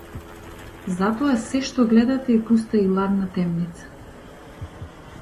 Затоа сѐ што гледате е пуста и ладна темница.